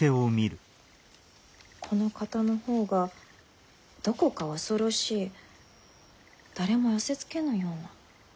この方のほうがどこか恐ろしい誰も寄せつけぬような。